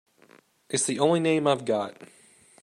It's the only name I've got.